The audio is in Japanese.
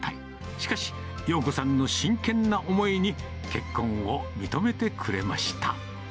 しかし、洋子さんの真剣な思いに、結婚を認めてくれました。